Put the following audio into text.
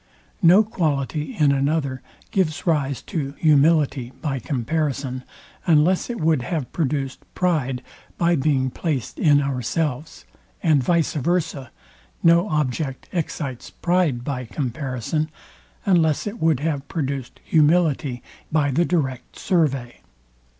No quality in another gives rise to humility by comparison, unless it would have produced pride by being placed in ourselves; and vice versa no object excites pride by comparison, unless it would have produced humility by the direct survey.